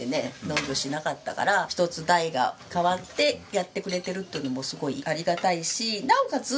農業しなかったから一つ代が替わってやってくれてるっていうのもすごいありがたいしなおかつ